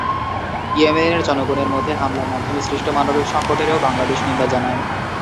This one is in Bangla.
ইয়েমেনের জনগণের ওপর হামলার মাধ্যমে সৃষ্ট মানবিক সংকটেরও বাংলাদেশ নিন্দা জানায়।